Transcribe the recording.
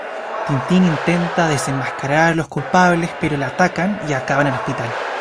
Tintín intenta desenmascarar a los culpables, pero le atacan y acaba en el hospital.